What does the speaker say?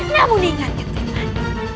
namun ingat kentering manik